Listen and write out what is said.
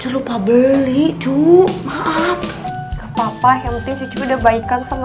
lupa beli tuh maaf apa apa yang udah baikkan sama